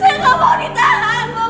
saya gak mau ditahan